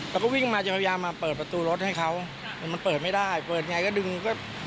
เขาก็วิ่งมาจะพยายามมาเปิดประตูรถให้เขาแต่มันเปิดไม่ได้เปิดไงก็ดึงก็